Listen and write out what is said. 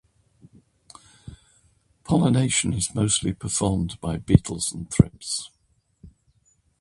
Pollination is mostly performed by beetles and thrips.